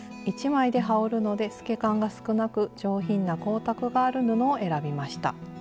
１枚で羽織るので透け感が少なく上品な光沢がある布を選びました。